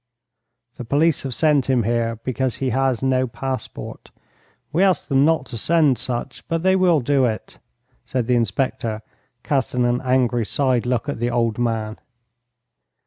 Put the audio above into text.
"The police have sent him here because he has no passport. We ask them not to send such, but they will do it," said the inspector, casting an angry side look at the old man.